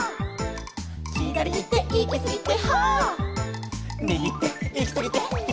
「ひだりいっていきすぎて」